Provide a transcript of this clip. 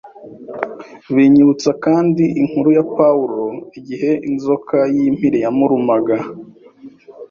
Binyibutsa kandi inkuru ya Paulo igihe inzoka y’impiri yamurumaga